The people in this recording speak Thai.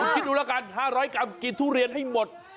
คิดดูแล้วกัน๕๐๐กรัมกินทุเรียนให้หมด